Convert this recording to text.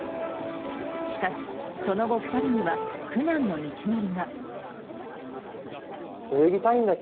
しかし、その後２人には苦難の道のりが。